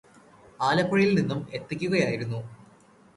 ആലപ്പുഴയില് നിന്നും എത്തിക്കുകയായിരുന്നു.